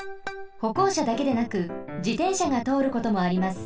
ほこうしゃだけでなく自転車がとおることもあります。